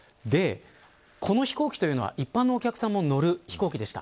この飛行機というのは一般のお客さんも乗る飛行機でした。